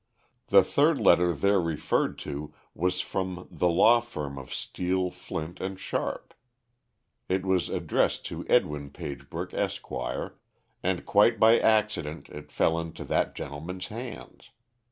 The third letter there referred to was from the law firm of Steel, Flint & Sharp. It was addressed to Edwin Pagebrook, Esq., and quite by accident it fell into that gentleman's hands.